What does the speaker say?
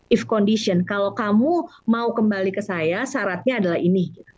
eve condition kalau kamu mau kembali ke saya syaratnya adalah ini